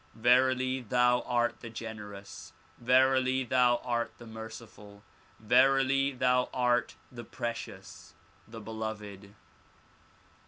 Verily thou art the generous! Verily thou art the merciful ! Verily thou art the precious, the beloved